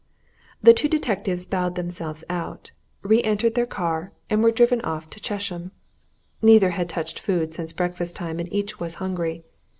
The two detectives bowed themselves out, re entered their car, and were driven on to Chesham. Neither had touched food since breakfast time and each was hungry.